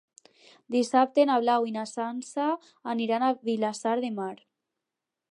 Dissabte na Blau i na Sança aniran a Vilassar de Mar.